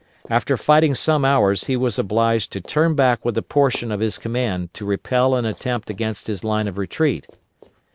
After fighting some hours he was obliged to turn back with a portion of his command to repel an attempt against his line of retreat.